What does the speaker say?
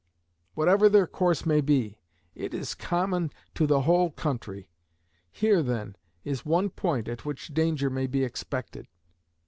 Whatever their course may be, it is common to the whole country. Here, then, is one point at which danger may be expected.